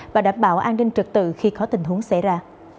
và đảm bảo an ninh trực tự khi có tình huống xảy ra